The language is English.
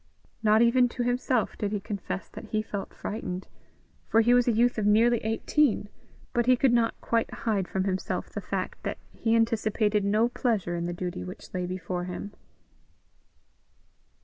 Not even to himself did he confess that he felt frightened, for he was a youth of nearly eighteen; but he could not quite hide from himself the fact that he anticipated no pleasure in the duty which lay before him.